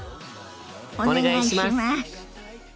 お願いします！